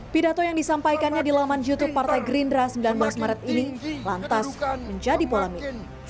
pidato yang disampaikannya di laman youtube partai gerindra sembilan belas maret ini lantas menjadi polemik